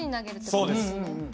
そうです。